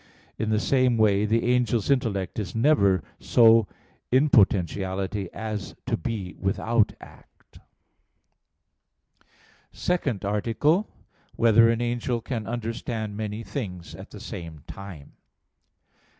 In the same way, the angel's intellect is never so in potentiality as to be without act. _______________________ SECOND ARTICLE [I, Q. 58, Art. 2] Whether an Angel Can Understand Many Things at the Same Time?